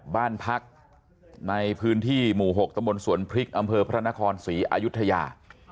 บ้านพักในพื้นที่หมู่๖ตมสวนพริกอำเภอพระนครศรีอายุทยา